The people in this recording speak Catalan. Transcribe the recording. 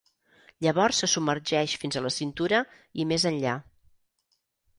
Llavors se submergeix fins a la cintura i més enllà.